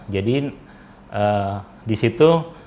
jadi di situ